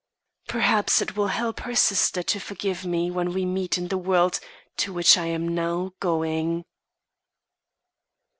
Perhaps it will help her sister to forgive me when we meet in the world to which I am now going.